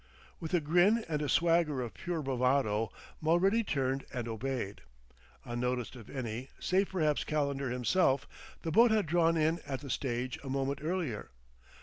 With a grin and a swagger of pure bravado Mulready turned and obeyed. Unnoticed of any, save perhaps Calendar himself, the boat had drawn in at the stage a moment earlier.